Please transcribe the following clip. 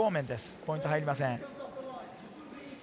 ポイント入りません。